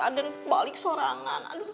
aden balik sorangan